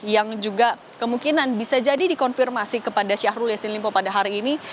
yang juga kemungkinan bisa jadi dikonfirmasi kepada syahrul yassin limpo pada hari ini